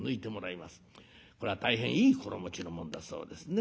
これは大変いい心持ちのもんだそうですね。